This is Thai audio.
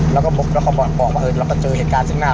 แล้วก็บอกแล้วก็บอกว่าเออแล้วก็เจอเหตุการณ์ซึ่งหน้า